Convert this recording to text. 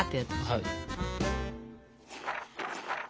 はい。